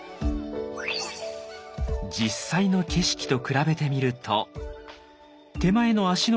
実際の景色と比べてみると手前の芦ノ